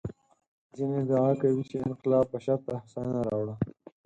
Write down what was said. ځینې ادعا کوي چې انقلاب بشر ته هوساینه راوړه.